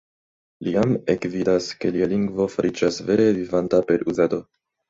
Li jam ekvidas, ke lia lingvo fariĝas vere vivanta per uzado.